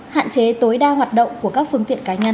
hạn chế tối đa hoạt động của các phương tiện cá nhân